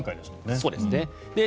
そうですね。